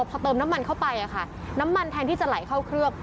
พอเติมน้ำมันเข้าไปน้ำมันแทนที่จะไหลเข้าเครื่อง